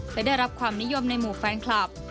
และได้รับความนิยมในหมู่แฟนคลับ